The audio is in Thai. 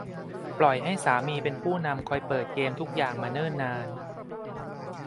ปล่อยให้สามีเป็นผู้นำคอยเปิดเกมทุกอย่างมาเนิ่นนาน